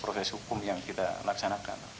proses hukum yang kita laksanakan